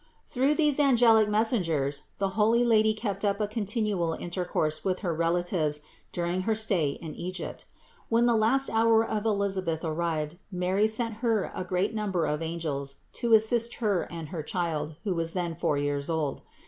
Through these angelic messengers the holy Lady kept up a continual intercourse with her relatives during her stay THE INCARNATION 579 in Egypt. When the last hour of Elisabeth arrived, Mary sent her a great number of angels to assist her and her child, who was then four years old.